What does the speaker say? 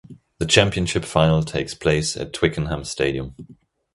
The Championship final takes place at Twickenham Stadium.